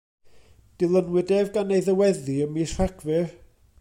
Dilynwyd ef gan ei ddyweddi ym mis Rhagfyr.